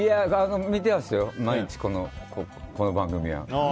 見てますよ、毎日この番組は。